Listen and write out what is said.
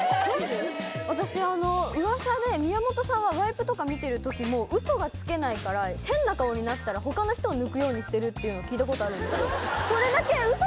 私噂で宮本さんはワイプとか見てる時も嘘がつけないから変な顔になったら他の人を抜くようにしてるっていうのを聞いたことあるんですよ